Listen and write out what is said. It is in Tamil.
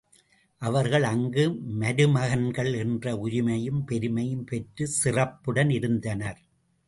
அவர்கள் அங்கு மருமகன்கள் என்ற உரிமையும் பெருமையும் பெற்றுச் சிறப்புடன் இருந்தனர்.